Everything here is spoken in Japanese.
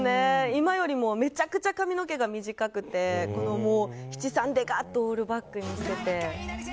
今よりもめちゃくちゃ髪の毛が短くて七三で、オールバックにしてて。